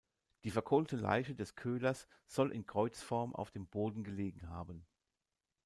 Die verkohlte Leiche des Köhlers soll in Kreuzform auf dem Boden gelegen haben.